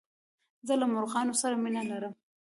زه له مرغانو سره مينه لرم.